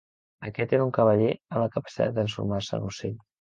Aquest era un cavaller amb la capacitat de transformar-se en ocell.